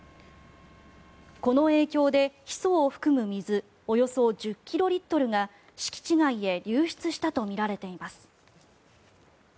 この影響で、ヒ素を含む水およそ１０キロリットルが敷地外へ流出したとみられています。